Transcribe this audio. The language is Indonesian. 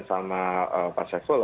sama pak sefo